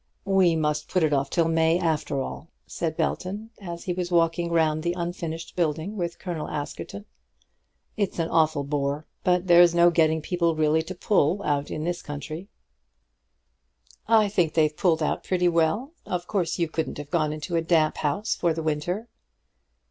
"We must put it off till May, after all," said Belton, as he was walking round the unfinished building with Colonel Askerton. "It's an awful bore, but there's no getting people really to pull out in this country." "I think they've pulled out pretty well. Of course you couldn't have gone into a damp house for the winter."